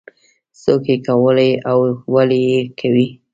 څوک یې کوي او ولې یې کوي.